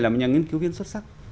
là một nhà nghiên cứu viên xuất sắc